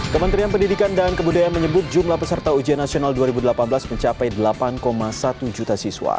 kementerian pendidikan dan kebudayaan menyebut jumlah peserta ujian nasional dua ribu delapan belas mencapai delapan satu juta siswa